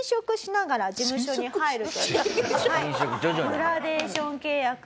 グラデーション契約？